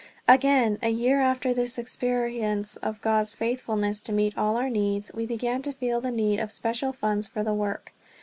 Again, a year after this experience of God's faithfulness to meet all our needs, we began to feel the need of special funds for the work.